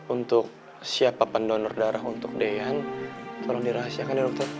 untuk siapa pendonor darah untuk dean tolong dirahasiakan ya dokter